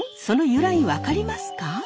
その由来分かりますか？